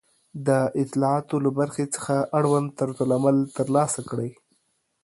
د اطلاعاتو له برخې څخه اړوند طرزالعمل ترلاسه کړئ